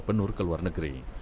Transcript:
penur keluar negeri